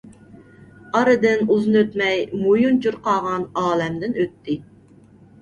ئارىدىن ئۇزۇن ئۆتمەي مويۇنچۇر قاغان ئالەمدىن ئۆتتى.